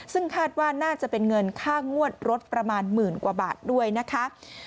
ซึ่งคาดว่าน่าจะเป็นเงินค่างวดรถประมาณหมื่นกว่าบาทด้วยนะคะ